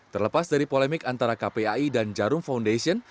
terlepas dari polemik antara kpai dan jarum foundation